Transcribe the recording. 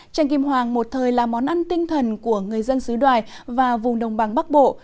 tranh kim hoàng một thời là món ăn tinh thần của người dân xứ đoài và vùng đồng bằng bắc bộ